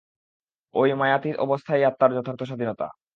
ঐ মায়াতীত অবস্থাই আত্মার যথার্থ স্বাধীনতা।